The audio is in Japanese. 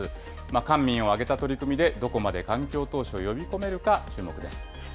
官民を挙げた取り組みで、どこまで環境投資を呼び込めるか注目です。